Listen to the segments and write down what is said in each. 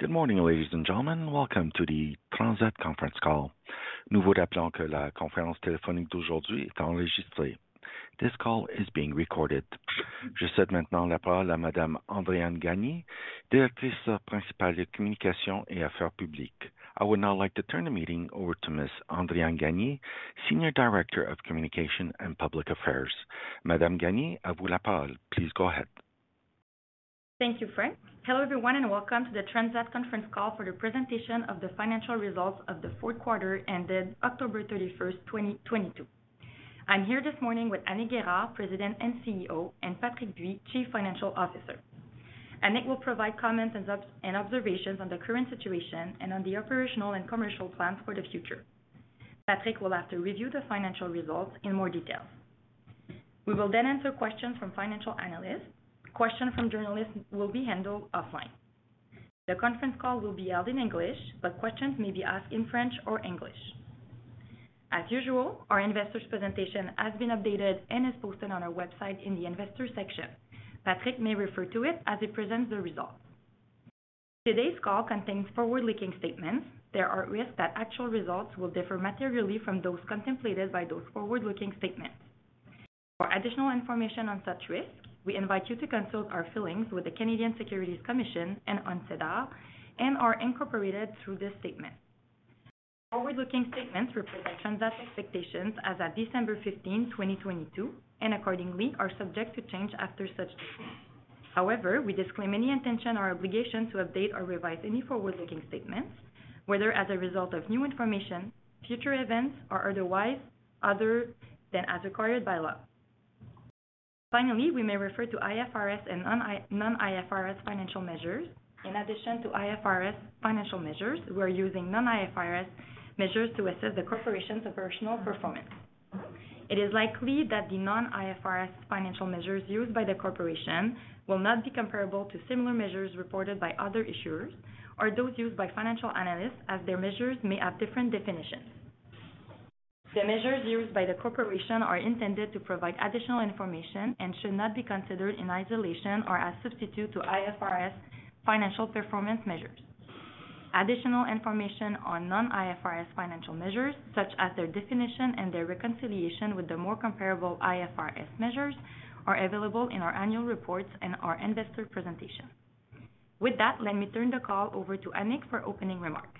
Good morning, ladies and gentlemen. Welcome to the Transat conference call. This call is being recorded. I would now like to turn the meeting over to Ms. Andréan Gagné, Senior Director of Communication and Public Affairs. Madame Gagné, please go ahead. Thank you, Frank. Hello, everyone, and welcome to the Transat conference call for the presentation of the financial results of the fourth quarter ended October 31st, 2022. I'm here this morning with Annick Guérard, President and CEO, and Patrick Bui, Chief Financial Officer. Anick will provide comments and observations on the current situation and on the operational and commercial plans for the future. Patrick will have to review the financial results in more detail. We will answer questions from financial analysts. Questions from journalists will be handled offline. The conference call will be held in English, but questions may be asked in French or English. As usual, our investors presentation has been updated and is posted on our website in the Investors section. Patrick may refer to it as he presents the results. Today's call contains forward-looking statements. There are risks that actual results will differ materially from those contemplated by those forward-looking statements. For additional information on such risks, we invite you to consult our filings with the Canadian Securities Commission and on SEDAR and are incorporated through this statement. Forward-looking statements represent Transat's expectations as of December 15, 2022, and accordingly are subject to change after such date. However, we disclaim any intention or obligation to update or revise any forward-looking statements, whether as a result of new information, future events or otherwise, other than as required by law. Finally, we may refer to IFRS and non-IFRS financial measures. In addition to IFRS financial measures, we're using non-IFRS measures to assess the corporation's operational performance. It is likely that the non-IFRS financial measures used by the corporation will not be comparable to similar measures reported by other issuers or those used by financial analysts as their measures may have different definitions. The measures used by the corporation are intended to provide additional information and should not be considered in isolation or as substitute to IFRS financial performance measures. Additional information on non-IFRS financial measures, such as their definition and their reconciliation with the more comparable IFRS measures, are available in our annual reports and our investor presentation. With that, let me turn the call over to Annick for opening remarks.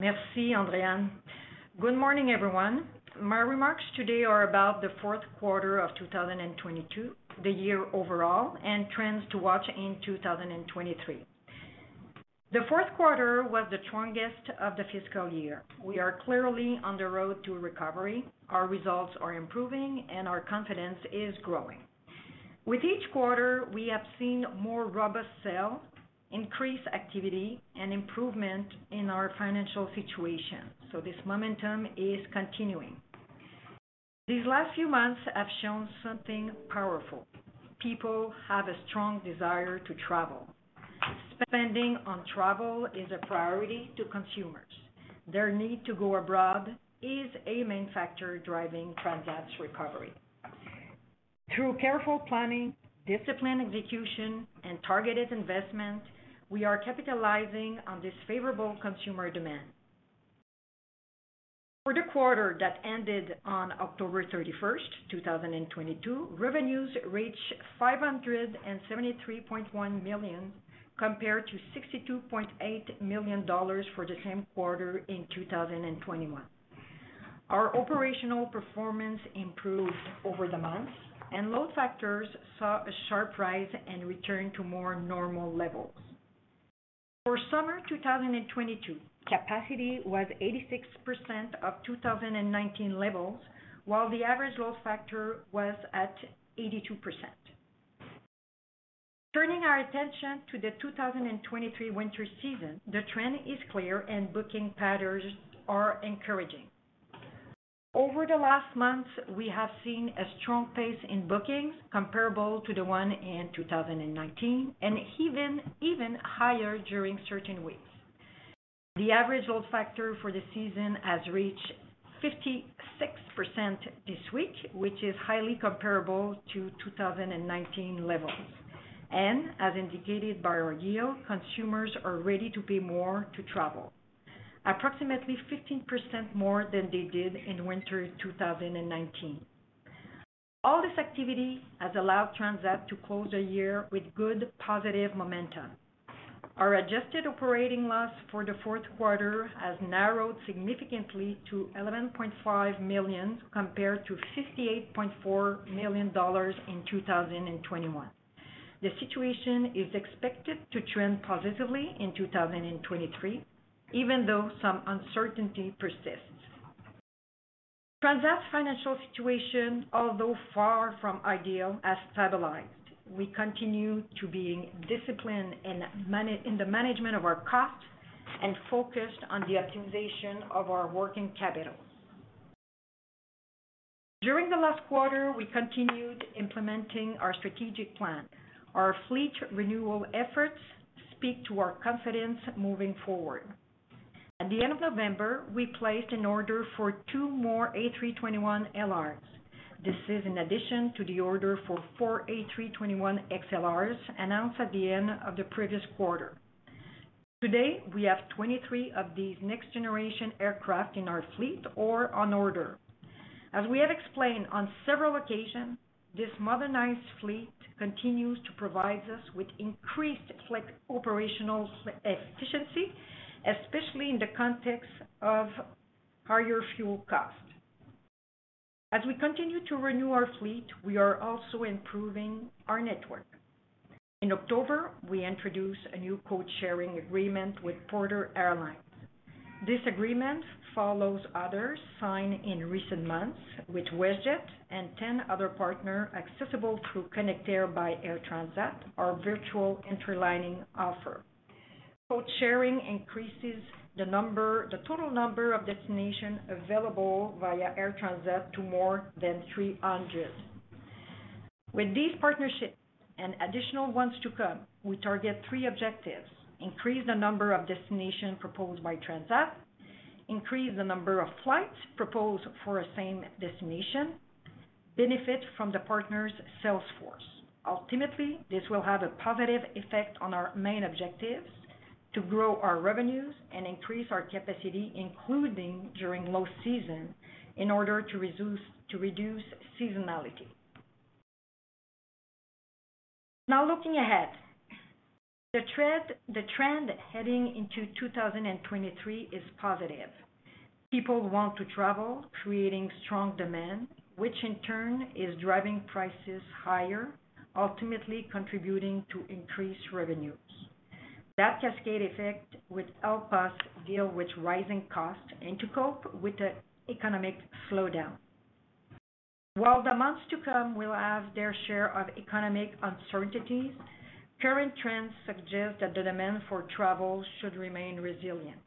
Merci, Andréan. Good morning, everyone. My remarks today are about the fourth quarter of 2022, the year overall, and trends to watch in 2023. The fourth quarter was the strongest of the fiscal year. We are clearly on the road to recovery. Our results are improving and our confidence is growing. With each quarter, we have seen more robust sales, increased activity and improvement in our financial situation. This momentum is continuing. These last few months have shown something powerful. People have a strong desire to travel. Spending on travel is a priority to consumers. Their need to go abroad is a main factor driving Transat's recovery. Through careful planning, disciplined execution and targeted investment, we are capitalizing on this favorable consumer demand. For the quarter that ended on October 31st, 2022, revenues reached 573.1 million compared to 62.8 million dollars for the same quarter in 2021. Our operational performance improved over the months, and load factors saw a sharp rise and return to more normal levels. For summer 2022, capacity was 86% of 2019 levels, while the average load factor was at 82%. Turning our attention to the 2023 winter season, the trend is clear and booking patterns are encouraging. Over the last month, we have seen a strong pace in bookings comparable to the one in 2019, and even higher during certain weeks. The average load factor for the season has reached 56% this week, which is highly comparable to 2019 levels. As indicated by our yield, consumers are ready to pay more to travel, approximately 15% more than they did in winter 2019. All this activity has allowed Transat to close the year with good, positive momentum. Our adjusted operating loss for the fourth quarter has narrowed significantly to 11.5 million compared to 58.4 million dollars in 2021. The situation is expected to trend positively in 2023, even though some uncertainty persists. Transat's financial situation, although far from ideal, has stabilized. We continue to being disciplined in the management of our costs and focused on the optimization of our working capital. During the last quarter, we continued implementing our strategic plan. Our fleet renewal efforts speak to our confidence moving forward. At the end of November, we placed an order for two more A321LRs. This is in addition to the order for 4 A321XLRs announced at the end of the previous quarter. To date, we have 23 of these next-generation aircraft in our fleet or on order. As we have explained on several occasions, this modernized fleet continues to provide us with increased flight operational efficiency, especially in the context of higher fuel costs. As we continue to renew our fleet, we are also improving our network. In October, we introduced a new codeshare agreement with Porter Airlines. This agreement follows others signed in recent months with WestJet and 10 other partner accessible through connectair by Air Transat, our virtual interlining offer. Codeshare increases the total number of destinations available via Air Transat to more than 300. With these partnerships and additional ones to come, we target three objectives: increase the number of destinations proposed by Transat, increase the number of flights proposed for a same destination, benefit from the partner's sales force. Ultimately, this will have a positive effect on our main objectives to grow our revenues and increase our capacity, including during low season, in order to reduce seasonality. Looking ahead. The trend heading into 2023 is positive. People want to travel, creating strong demand, which in turn is driving prices higher, ultimately contributing to increased revenues. That cascade effect would help us deal with rising costs and to cope with the economic slowdown. While the months to come will have their share of economic uncertainties, current trends suggest that the demand for travel should remain resilient.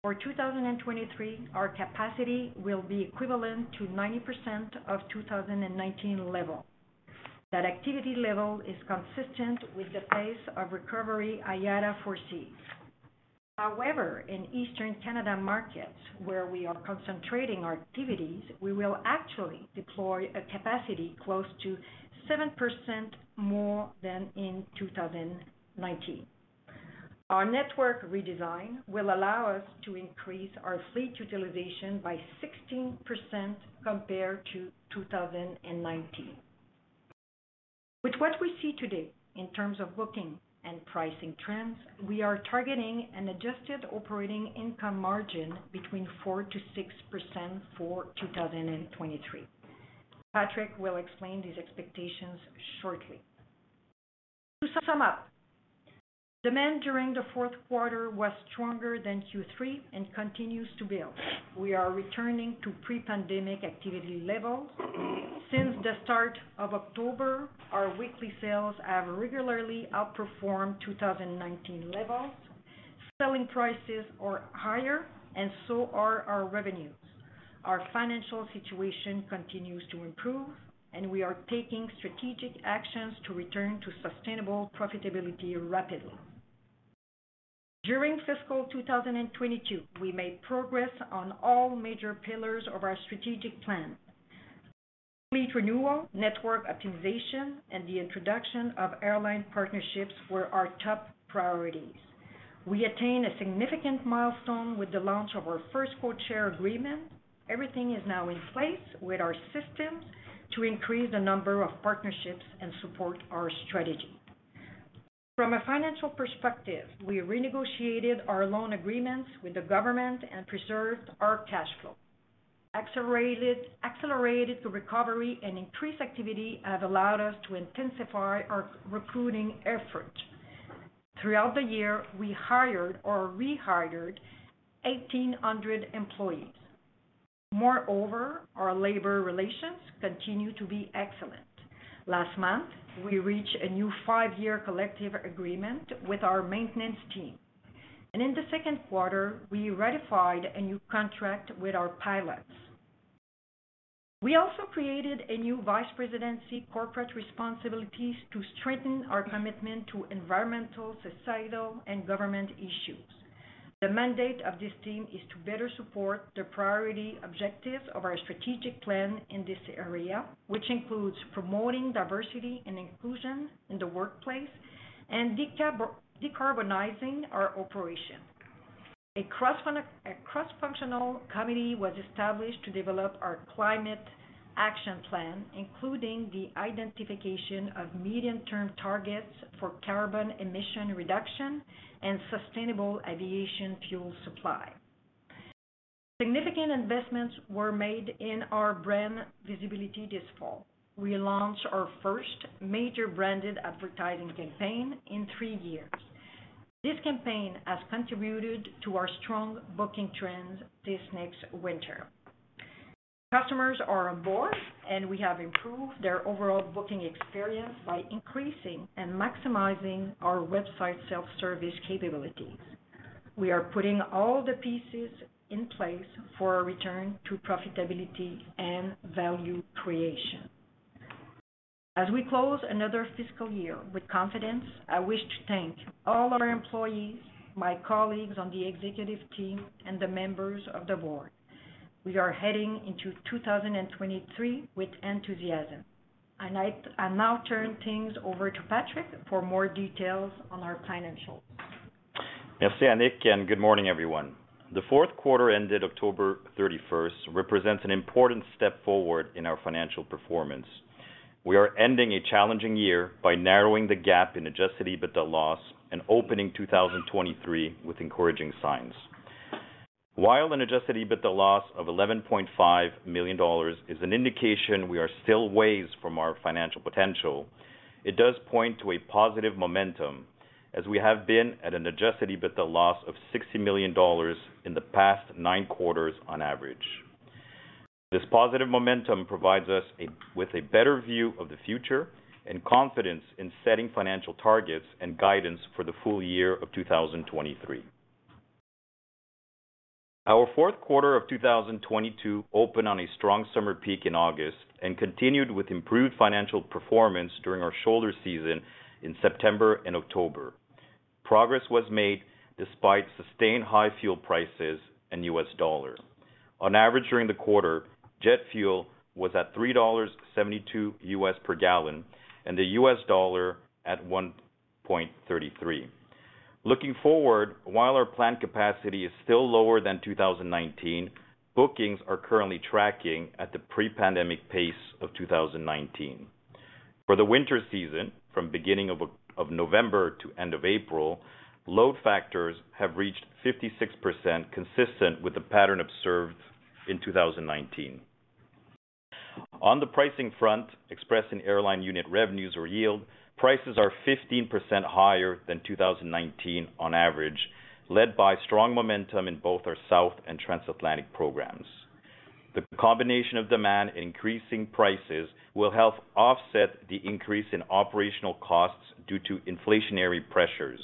For 2023, our capacity will be equivalent to 90% of 2019 level. That activity level is consistent with the pace of recovery IATA foresees. However, in Eastern Canada markets, where we are concentrating our activities, we will actually deploy a capacity close to 7% more than in 2019. Our network redesign will allow us to increase our fleet utilization by 16% compared to 2019. With what we see today in terms of booking and pricing trends, we are targeting an adjusted operating income margin between 4%-6% for 2023. Patrick will explain these expectations shortly. To sum up, demand during the fourth quarter was stronger than Q3 and continues to build. We are returning to pre-pandemic activity levels. Since the start of October, our weekly sales have regularly outperformed 2019 levels. Selling prices are higher and so are our revenues. Our financial situation continues to improve, and we are taking strategic actions to return to sustainable profitability rapidly. During fiscal 2022, we made progress on all major pillars of our strategic plan. Fleet renewal, network optimization, and the introduction of airline partnerships were our top priorities. We attained a significant milestone with the launch of our first codeshare agreement. Everything is now in place with our systems to increase the number of partnerships and support our strategy. From a financial perspective, we renegotiated our loan agreements with the government and preserved our cash flow. Accelerated recovery and increased activity have allowed us to intensify our recruiting effort. Throughout the year, we hired or re-hired 1,800 employees. Our labor relations continue to be excellent. Last month, we reached a new five-year collective agreement with our maintenance team. In the second quarter, we ratified a new contract with our pilots. We also created a new vice presidency corporate responsibilities to strengthen our commitment to environmental, societal, and government issues. The mandate of this team is to better support the priority objectives of our strategic plan in this area, which includes promoting diversity and inclusion in the workplace and decarbonizing our operation. A cross-functional committee was established to develop our climate action plan, including the identification of medium-term targets for carbon emission reduction and sustainable aviation fuel supply. Significant investments were made in our brand visibility this fall. We launched our first major branded advertising campaign in three years. This campaign has contributed to our strong booking trends this next winter. Customers are on board, and we have improved their overall booking experience by increasing and maximizing our website self-service capabilities. We are putting all the pieces in place for a return to profitability and value creation. As we close another fiscal year with confidence, I wish to thank all our employees, my colleagues on the executive team, and the members of the board. We are heading into 2023 with enthusiasm. I now turn things over to Patrick for more details on our financials. Merci, Annick, and good morning, everyone. The fourth quarter ended October 31st represents an important step forward in our financial performance. We are ending a challenging year by narrowing the gap in adjusted EBITDA loss and opening 2023 with encouraging signs. While an adjusted EBITDA loss of 11.5 million dollars is an indication we are still ways from our financial potential, it does point to a positive momentum as we have been at an adjusted EBITDA loss of 60 million dollars in the past nine quarters on average. This positive momentum provides us with a better view of the future and confidence in setting financial targets and guidance for the full year of 2023. Our fourth quarter of 2022 opened on a strong summer peak in August and continued with improved financial performance during our shoulder season in September and October. Progress was made despite sustained high fuel prices in U.S. dollar. On average, during the quarter, jet fuel was at $3.72 U.S. Per gallon and the U.S. dollar at 1.33. Looking forward, while our plant capacity is still lower than 2019, bookings are currently tracking at the pre-pandemic pace of 2019. For the winter season, from beginning of November to end of April, load factors have reached 56%, consistent with the pattern observed in 2019. On the pricing front, expressed in airline unit revenues or yield, prices are 15% higher than 2019 on average, led by strong momentum in both our South and Transatlantic programs. The combination of demand and increasing prices will help offset the increase in operational costs due to inflationary pressures.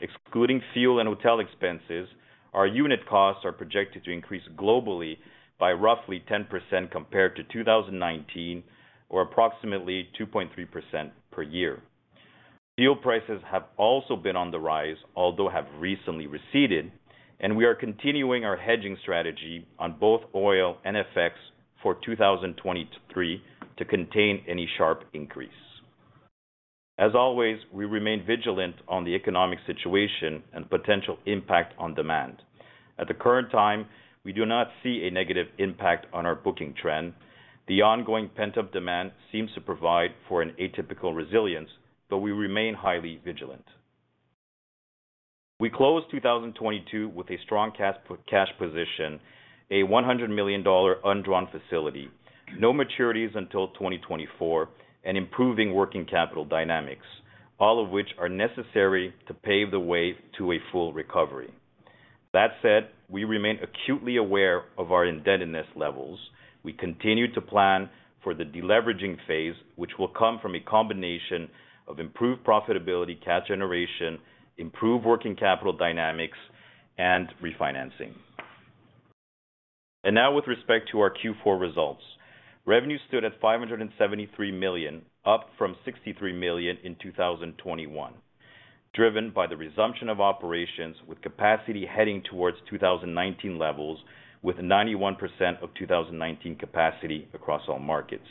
Excluding fuel and hotel expenses, our unit costs are projected to increase globally by roughly 10% compared to 2019, or approximately 2.3% per year. Fuel prices have also been on the rise, although have recently receded, and we are continuing our hedging strategy on both oil and FX for 2023 to contain any sharp increase. As always, we remain vigilant on the economic situation and potential impact on demand. At the current time, we do not see a negative impact on our booking trend. The ongoing pent-up demand seems to provide for an atypical resilience, but we remain highly vigilant. We closed 2022 with a strong cash position, a 100 million dollar undrawn facility, no maturities until 2024, and improving working capital dynamics, all of which are necessary to pave the way to a full recovery. That said, we remain acutely aware of our indebtedness levels. We continue to plan for the deleveraging phase, which will come from a combination of improved profitability, cash generation, improved working capital dynamics, and refinancing. Now with respect to our Q4 results, revenue stood at $573 million, up from $63 million in 2021, driven by the resumption of operations, with capacity heading towards 2019 levels with 91% of 2019 capacity across all markets.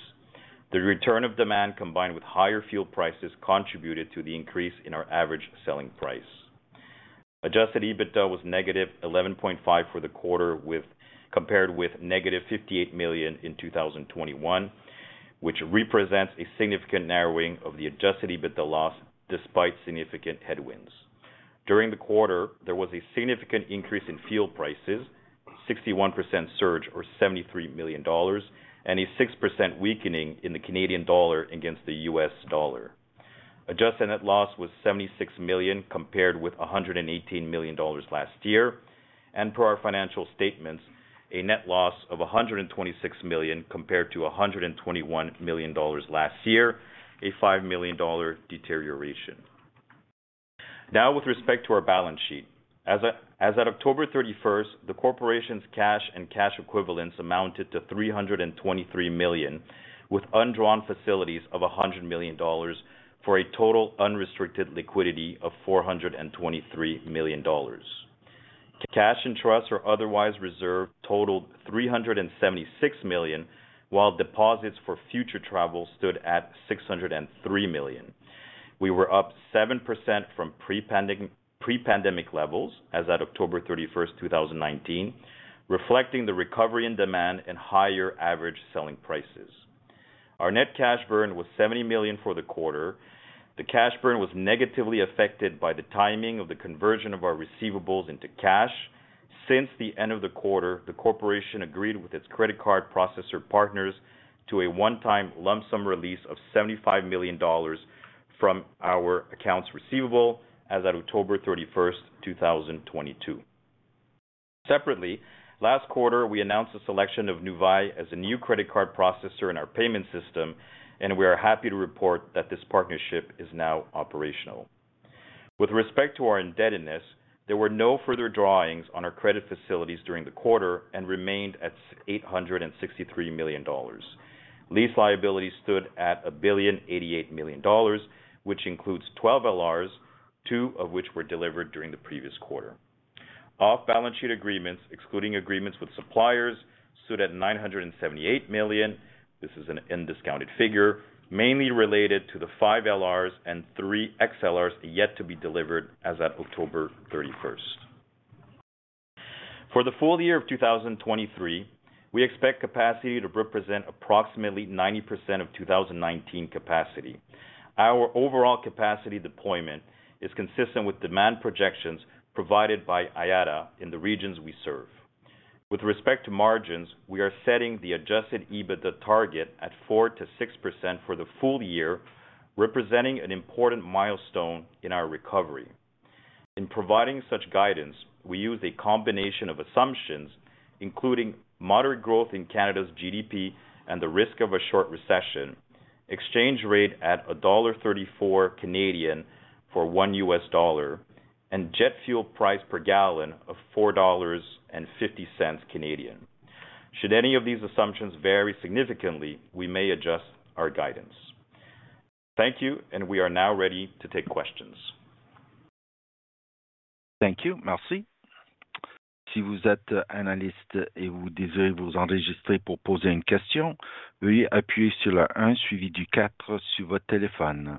The return of demand combined with higher fuel prices contributed to the increase in our average selling price. Adjusted EBITDA was -$11.5 million for the quarter, compared with -$58 million in 2021, which represents a significant narrowing of the adjusted EBITDA loss despite significant headwinds. During the quarter, there was a significant increase in fuel prices, 61% surge or 73 million dollars, and a 6% weakening in the Canadian dollar against the U.S. dollar. adjusted net loss was 76 million compared with 118 million dollars last year, and per our financial statements, a net loss of 126 million compared to 121 million dollars last year, a 5 million dollar deterioration. With respect to our balance sheet, as at October 31st, the corporation's cash and cash equivalents amounted to 323 million, with undrawn facilities of 100 million dollars for a total unrestricted liquidity of 423 million dollars. Cash and trusts or otherwise reserved totaled 376 million, while deposits for future travel stood at 603 million. We were up 7% from pre-pandemic levels as at October 31st, 2019, reflecting the recovery in demand and higher average selling prices. Our net cash burn was 70 million for the quarter. The cash burn was negatively affected by the timing of the conversion of our receivables into cash. Since the end of the quarter, the corporation agreed with its credit card processor partners to a one-time lump sum release of 75 million dollars from our accounts receivable as at October 31st, 2022. Separately, last quarter, we announced the selection of Nuvei as a new credit card processor in our payment system, and we are happy to report that this partnership is now operational. With respect to our indebtedness, there were no further drawings on our credit facilities during the quarter and remained at 863 million dollars. Lease liabilities stood at 1.088 billion, which includes 12 A321LRs, 2 of which were delivered during the previous quarter. Off-balance sheet agreements, excluding agreements with suppliers, stood at 978 million. This is an N discounted figure, mainly related to the 5 A321LRs and 3 A321XLRs yet to be delivered as at October 31st. For the full year of 2023, we expect capacity to represent approximately 90% of 2019 capacity. Our overall capacity deployment is consistent with demand projections provided by IATA in the regions we serve. With respect to margins, we are setting the adjusted EBITDA target at 4%-6% for the full year, representing an important milestone in our recovery. In providing such guidance, we use a combination of assumptions, including moderate growth in Canada's GDP and the risk of a short recession, exchange rate at dollar 1.34 for $1, and jet fuel price per gallon of 4.50 dollars. Should any of these assumptions vary significantly, we may adjust our guidance. Thank you. We are now ready to take questions. Thank you. Merci. Si vous êtes analyste et vous désirez vous enregistrer pour poser une question, veuillez appuyer sur le 1 suivi du 4 sur votre téléphone.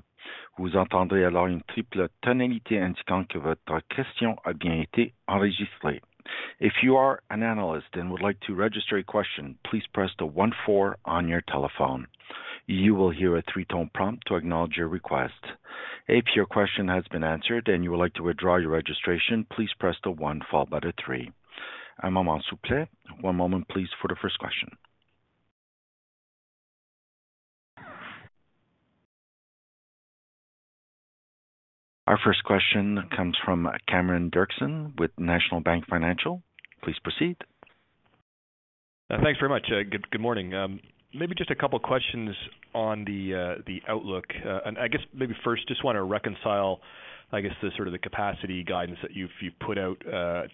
Vous entendrez alors une triple tonalité indiquant que votre question a bien été enregistrée. If you are an analyst and would like to register a question, please press the 1 4 on your telephone. You will hear a three-tone prompt to acknowledge your request. If your question has been answered and you would like to withdraw your registration, please press the one followed by the three. Un moment, s'il vous plait. One moment, please, for the first question. Our first question comes from Cameron Doerksen with National Bank Financial. Please proceed. Thanks very much. Good morning. maybe just a couple of questions on the outlook. I guess maybe first, just want to reconcile, I guess, the sort of the capacity guidance that you've put out, 90%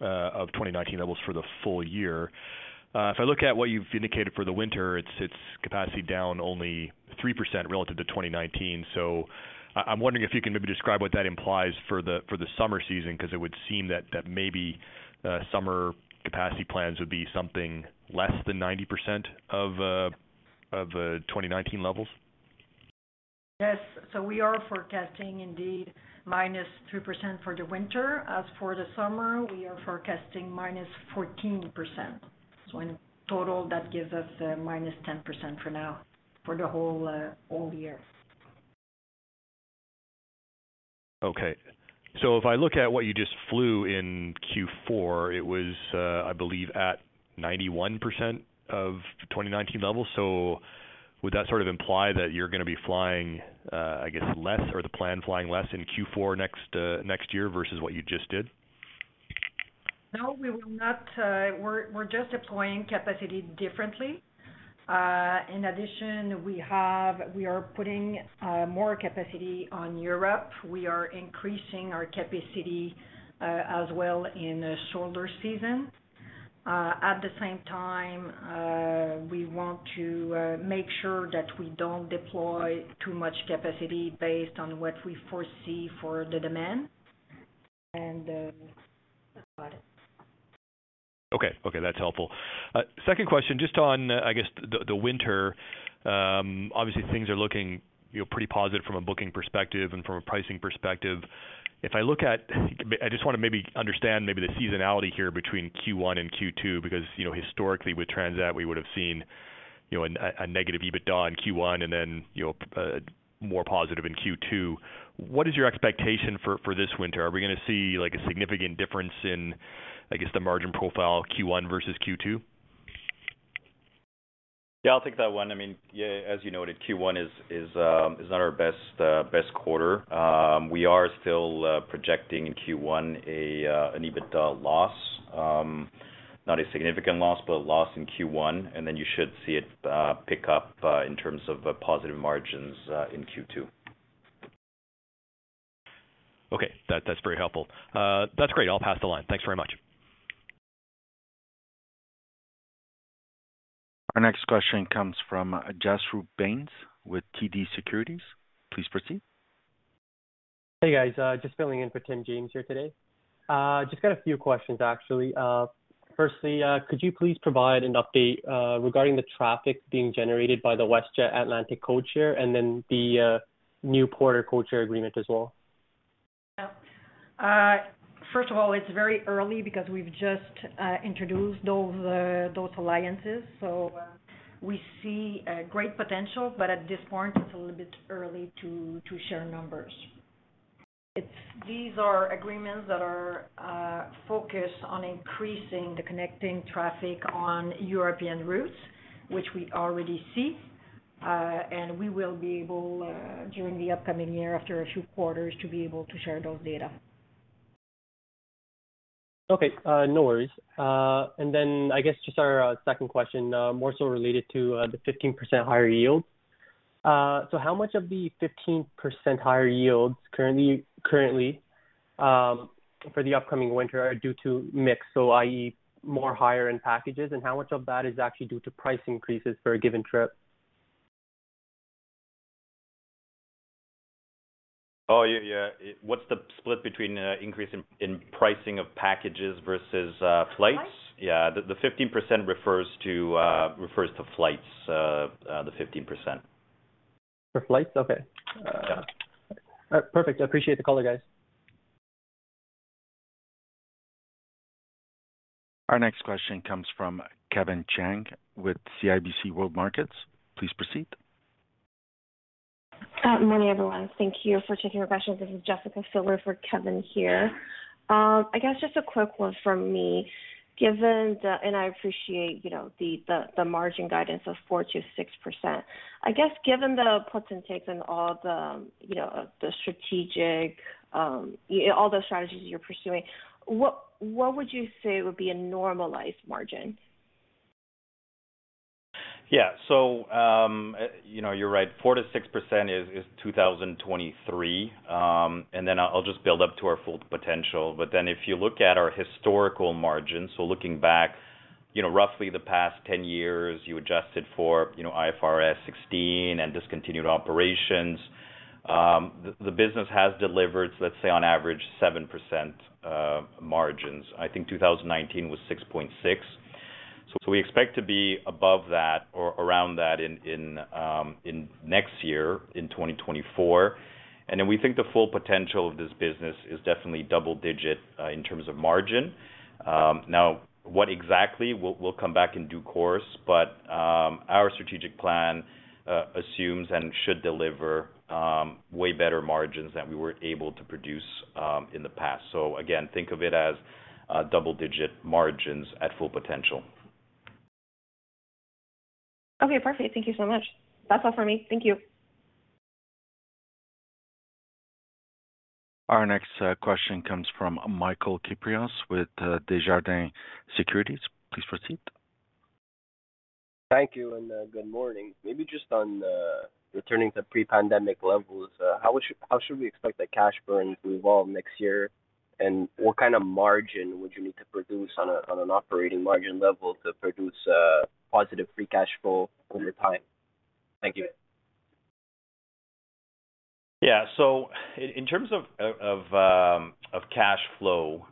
of 2019 levels for the full year. If I look at what you've indicated for the winter, it's capacity down only 3% relative to 2019. I'm wondering if you can maybe describe what that implies for the, for the summer season, because it would seem that maybe summer capacity plans would be something less than 90% of 2019 levels. Yes. We are forecasting indeed -3% for the winter. As for the summer, we are forecasting -14%. In total, that gives us -10% for now for the whole all year. If I look at what you just flew in Q4, it was, I believe at 91% of 2019 levels. Would that sort of imply that you're going to be flying, I guess, less or the plan flying less in Q4 next year versus what you just did? No, we will not. We're just deploying capacity differently. We are putting more capacity on Europe. We are increasing our capacity as well in the shoulder season. We want to make sure that we don't deploy too much capacity based on what we foresee for the demand and that's about it. Okay. Okay, that's helpful. Second question, just on, I guess, the winter, obviously things are looking pretty positive from a booking perspective and from a pricing perspective. I just want to maybe understand maybe the seasonality here between Q1 and Q2, because historically with Transat, we would have seen a negative EBITDA in Q1 and then more positive in Q2. What is your expectation for this winter? Are we going to see a significant difference in, I guess, the margin profile Q1 versus Q2? Yeah, I'll take that one. I mean, as you noted, Q1 is not our best quarter. We are still projecting in Q1 an EBITDA loss, not a significant loss, but a loss in Q1. Then you should see it pick up in terms of positive margins in Q2. That's very helpful. That's great. I'll pass the line. Thanks very much. Our next question comes from Jasroop Bains with TD Securities. Please proceed. Hey, guys. Just filling in for Tim James here today. Just got a few questions, actually. Firstly, could you please provide an update regarding the traffic being generated by the WestJet Atlantic codeshare and then the new Porter codeshare agreement as well? First of all, it's very early because we've just introduced those alliances. We see great potential. At this point, it's a little bit early to share numbers. These are agreements that are focused on increasing the connecting traffic on European routes, which we already see. We will be able, during the upcoming year after a few quarters, to be able to share those data. Okay. No worries. I guess just our second question, more so related to the 15% higher yield. How much of the 15% higher yields currently for the upcoming winter are due to mix, so i.e., more higher end packages, and how much of that is actually due to price increases for a given trip? Oh, yeah. Yeah. What's the split between increase in pricing of packages versus flights? Flights? Yeah. The 15% refers to flights, the 15%. For flights? Okay. Yeah. Perfect. I appreciate the call guys. Our next question comes from Kevin Chiang with CIBC World Markets. Please proceed. Morning, everyone. Thank you for taking our questions. This is Jessica Filler for Kevin here. I guess just a quick one from me. Given and I appreciate, you know, the margin guidance of 4%-6%. I guess given the puts and takes and all the, you know, the strategic, all those strategies you're pursuing, what would you say would be a normalized margin? You know, you're right. 4%-6% is 2023. I'll just build up to our full potential. If you look at our historical margins, so looking back, you know, roughly the past 10 years, you adjusted for, you know, IFRS 16 and discontinued operations, the business has delivered, let's say on average, 7% margins. I think 2019 was %6.6. We expect to be above that or around that in next year in 2024. We think the full potential of this business is definitely double digit in terms of margin. What exactly we'll come back in due course, but our strategic plan assumes and should deliver way better margins than we were able to produce in the past. Again, think of it as double-digit margins at full potential. Okay, perfect. Thank you so much. That's all for me. Thank you. Our next question comes from Michael Kypreos with Desjardins Securities. Please proceed. Thank you, and good morning. Maybe just on returning to pre-pandemic levels, how should we expect the cash burn to evolve next year? What kind of margin would you need to produce on an operating margin level to produce positive free cash flow over time? Thank you. Yeah. In terms of cash flow,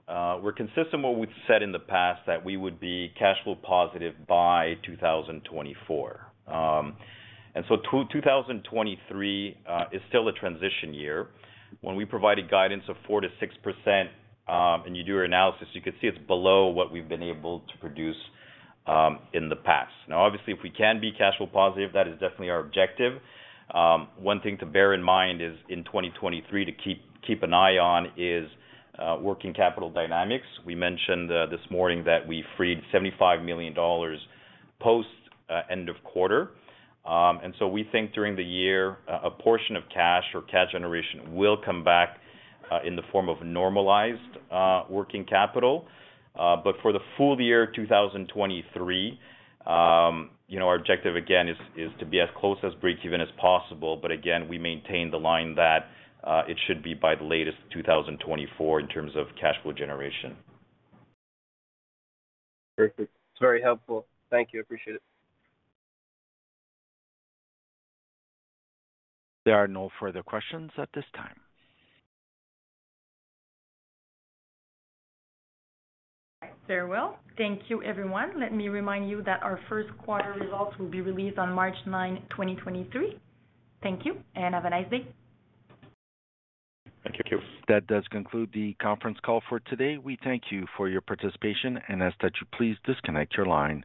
we're consistent what we've said in the past that we would be cash flow positive by 2024. 2023 is still a transition year. When we provided guidance of 4%-6%, and you do your analysis, you can see it's below what we've been able to produce in the past. Now, obviously, if we can be cash flow positive, that is definitely our objective. One thing to bear in mind is in 2023 to keep an eye on is working capital dynamics. We mentioned this morning that we freed 75 million dollars post end of quarter. We think during the year, a portion of cash or cash generation will come back in the form of normalized working capital. For the full year, 2023, you know, our objective again is to be as close as breakeven as possible. Again, we maintain the line that it should be by the latest 2024 in terms of cash flow generation. Perfect. It's very helpful. Thank you. Appreciate it. There are no further questions at this time. Very well. Thank you, everyone. Let me remind you that our first quarter results will be released on March 9, 2023. Thank you, and have a nice day. Thank you. That does conclude the conference call for today. We thank you for your participation and ask that you please disconnect your lines.